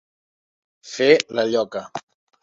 Fer la lloca.